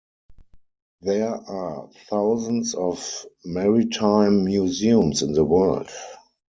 There are thousands of maritime museums in the world.